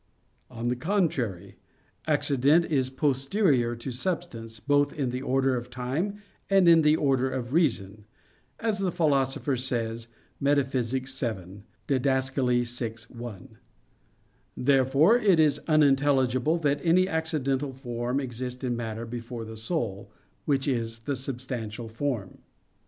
On the contrary, Accident is posterior to substance, both in the order of time and in the order of reason, as the Philosopher says, Metaph. vii (Did. vi, 1). Therefore it is unintelligible that any accidental form exist in matter before the soul, which is the substantial form.